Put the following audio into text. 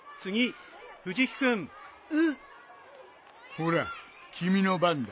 ほら君の番だ。